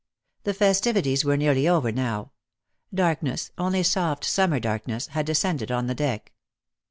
The festivities were nearly over now. Darkness — only soft summer darkness — had descended on the deck.